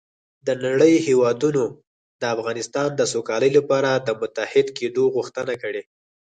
د نړۍ هېوادونو د افغانستان د سوکالۍ لپاره د متحد کېدو غوښتنه کړې